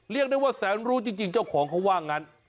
เรียกได้ว่าแสนรู้จริงเจ้าของเขาว่างั้น